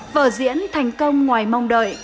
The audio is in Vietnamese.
vở diễn thành công ngoài mong đợi